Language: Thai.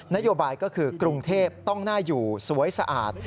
นโยบายก็คือกรุงเทพต้องน่าอยู่สวยสะอาด